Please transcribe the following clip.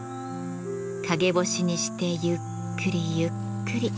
陰干しにしてゆっくりゆっくり。